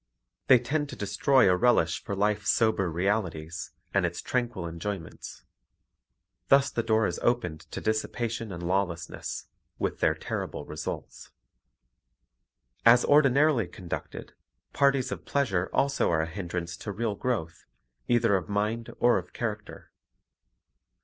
They tend to destroy a relish for life's sober realities and its tranquil enjoyments. Thus the door is opened to dissipation and lawlessness, with their terrible results. As ordinarily conducted, parties of pleasure also are a hindrance to real growth, either of mind or of character.